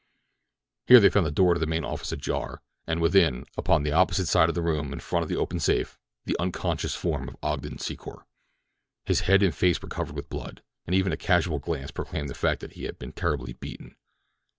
Here they found the door to the main office ajar, and within, upon the opposite side of the room in front of the open safe, the unconscious form of Ogden Secor. His head and face were covered with blood—even a casual glance proclaimed the fact that he had been terribly beaten.